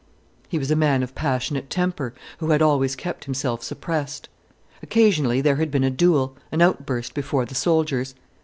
He was a man of passionate temper, who had always kept himself suppressed. Occasionally there had been a duel, an outburst before the soldiers.